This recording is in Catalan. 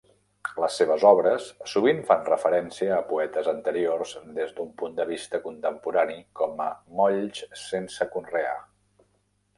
Les seves obres sovint fan referència a poetes anteriors des d'un punt de vista contemporani, com a "Molls sense conrear".